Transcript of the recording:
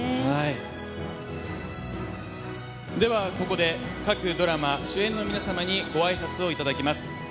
はいではここで各ドラマ主演の皆さまにご挨拶をいただきます